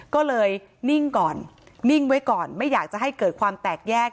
ก็เลยนิ่งก่อนนิ่งไว้ก่อนไม่อยากจะให้เกิดความแตกแยก